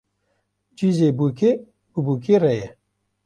Cîzê bûkê bi bûkê re ye